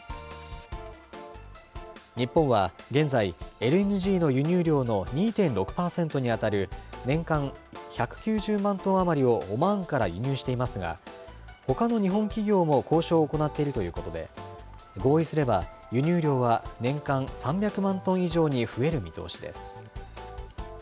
日本は現在、ＬＮＧの輸入量の２．６％に当たる、年間１９０万トン余りをオマーンから輸入していますが、ほかの日本企業も交渉を行っているということで、合意すれば、輸入量は年間３００万トン以上に増える見通しです。